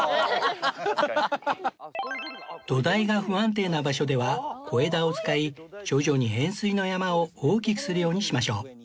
土台が不安定な場所では小枝を使い徐々に円すいの山を大きくするようにしましょう